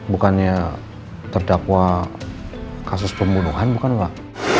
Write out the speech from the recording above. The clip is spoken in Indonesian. bukannya terdakwa kasus pembunuhan bukan pak